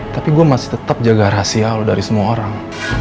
tapi gue masih tetap jaga rahasia loh dari semua orang